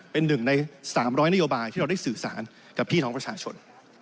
เป็นหนึ่งใน๓๐๐นโยบายที่เราได้สื่อสารกับพี่น้องประชาชน